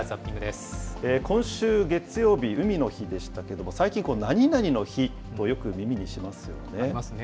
今週月曜日、海の日でしたけれども、最近、何々の日とよく耳にしますよね。